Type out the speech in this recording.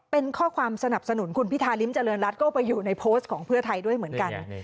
เป็นข้อความสนับสนุนคุณพิธาริมเจริญรัฐก็ไปอยู่ในโพสต์ของเพื่อไทยด้วยเหมือนกัน